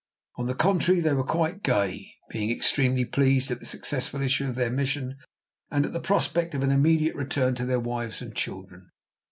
On the contrary, they were quite gay, being extremely pleased at the successful issue of their mission and the prospect of an immediate return to their wives and children.